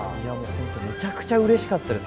めちゃくちゃうれしかったです。